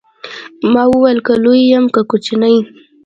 ما وويل که لوى يم که کوچنى.